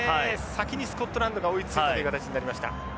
先にスコットランドが追いついたという形になりました。